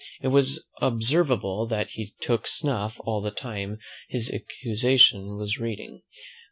It was observable that he took snuff all the time his accusation was reading.